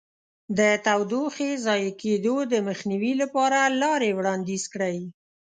د تودوخې ضایع کېدو د مخنیوي لپاره لارې وړاندیز کړئ.